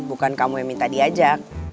bukan kamu yang minta diajak